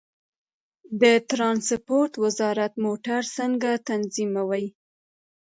د ترانسپورت وزارت موټر څنګه تنظیموي؟